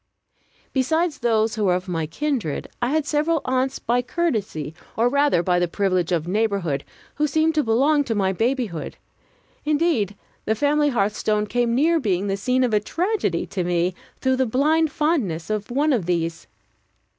Besides those who were of my kindred, I had several aunts by courtesy, or rather by the privilege of neighborhood, who seemed to belong to my babyhood. Indeed, the family hearthstone came near being the scene of a tragedy to me, through the blind fondness of one of these.